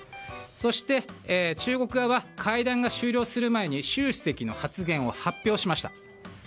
そして、中国側は会談が終了する前に習主席の発言を発表しました。